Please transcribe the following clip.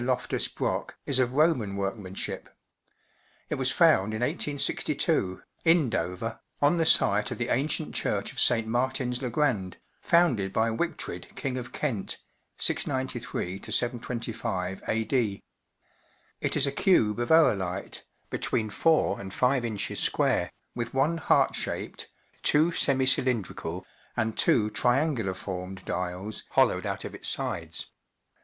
oftus Brock, is of Roman workmanship. It was found in 1S62, in Dover, on the site of the ancient Church of St Marti n's le Grand (founded by Wictred, King of Kent, 693— 725 a.d,). It is a cube of oolite, between four and five inches square, with one heart shaped, two semi cylindrical, and two triangular formed dials holl0wed out of its sides.